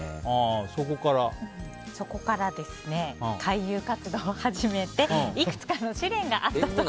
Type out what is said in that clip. そこから、俳優活動を始めていくつかの試練があったそうです。